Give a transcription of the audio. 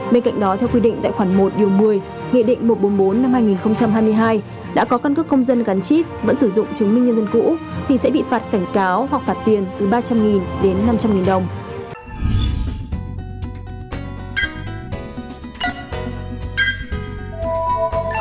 bên cạnh đó theo quy định tại khoản một một mươi nghị định một trăm bốn mươi bốn năm hai nghìn hai mươi hai đã có căn cước công dân gắn chip vẫn sử dụng chứng minh nhân dân cũ thì sẽ bị phạt cảnh cáo hoặc phạt tiền từ ba trăm linh đến năm trăm linh đồng